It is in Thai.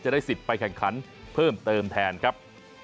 ได้สิทธิ์ไปแข่งขันเพิ่มเติมแทนครับ